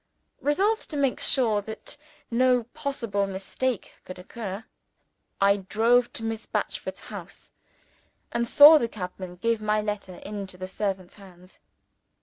Resolved to make sure that no possible mischance could occur, I drove to Miss Batchford's house, and saw the cabman give my letter into the servant's hands.